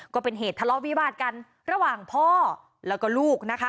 ก็เป็นเหตุทะเลาะวิวาดกันระหว่างพ่อแล้วก็ลูกนะคะ